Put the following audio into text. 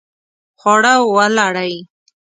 خواړه ولړئ